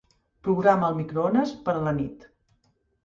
Programa el microones per a la nit.